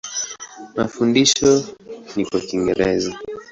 Mafundisho ni kwa Kiingereza.